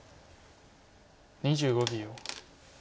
２５秒。